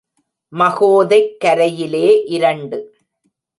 மகோதைக் கரையிலே இரண்டு.